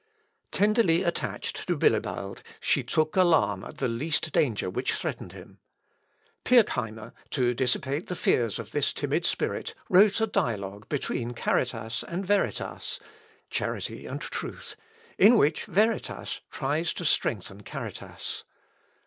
Tenderly attached to Bilibald she took alarm at the least danger which threatened him. Pirckheimer, to dissipate the fears of this timid spirit, wrote a dialogue between Charitas and Veritas, (Charity and Truth), in which Veritas tries to strengthen Charitas.